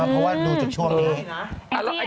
เพราะรู้จนช่วงนี้